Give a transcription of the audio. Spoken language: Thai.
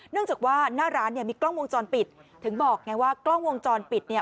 จากว่าหน้าร้านเนี่ยมีกล้องวงจรปิดถึงบอกไงว่ากล้องวงจรปิดเนี่ย